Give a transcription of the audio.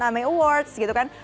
ame awards gitu kan